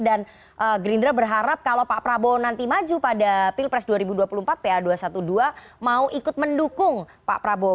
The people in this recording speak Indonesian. gerindra berharap kalau pak prabowo nanti maju pada pilpres dua ribu dua puluh empat pa dua ratus dua belas mau ikut mendukung pak prabowo